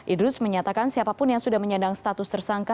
idrus menyatakan siapapun yang sudah menyandang status tersangka